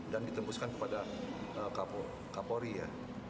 dan ditembuskan kepada kapolri ya